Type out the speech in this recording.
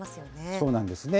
そうなんですね。